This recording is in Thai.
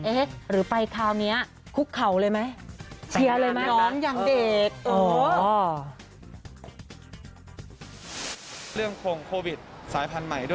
เอ๊ะหรือไปคราวนี้คุกเข่าเลยไหมเชียร์เลยไหม